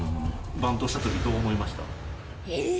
バントしたとき、どう思いました？